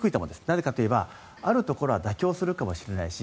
なぜかといえば、あるところは妥協するかもしれないし